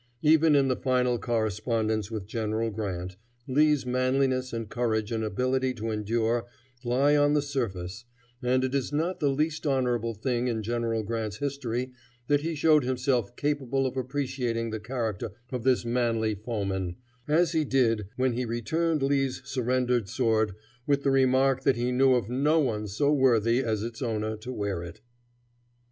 Even in the final correspondence with General Grant, Lee's manliness and courage and ability to endure lie on the surface, and it is not the least honorable thing in General Grant's history that he showed himself capable of appreciating the character of this manly foeman, as he did when he returned Lee's surrendered sword with the remark that he knew of no one so worthy as its owner to wear it.